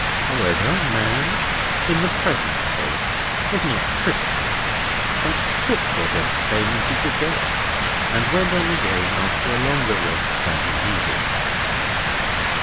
However, Man, in the present case, was not critical, but took what entertainment he could get, and went on again after a longer rest than he needed.